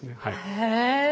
へえ。